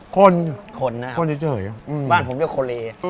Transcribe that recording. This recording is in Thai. ขนโคลเชลียเฉยครับอืมบ้านผมก็คือโคลเชลีย